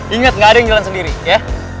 ingat gak ada yang jalan sendiri ya